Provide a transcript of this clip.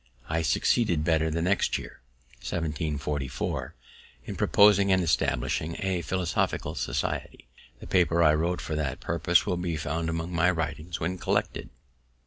I succeeded better the next year, 1744, in proposing and establishing a Philosophical Society. The paper I wrote for that purpose will be found among my writings, when collected.